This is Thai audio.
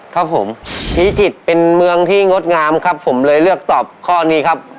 ครับผมพิจิตรเป็นเมืองที่งดงามครับผมเลยเลือกตอบข้อนี้ครับ